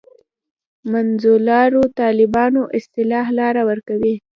منځلارو طالبانو اصطلاح لاره ورکوي.